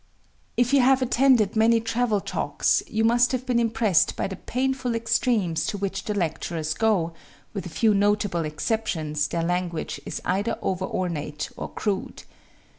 If you have attended many travel talks you must have been impressed by the painful extremes to which the lecturers go with a few notable exceptions, their language is either over ornate or crude.